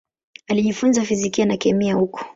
Alijifunza fizikia na kemia huko.